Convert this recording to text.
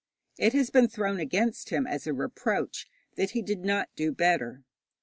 It has been thrown against him as a reproach that he did not do better.